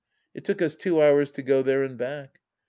It took us two hours to go there and back.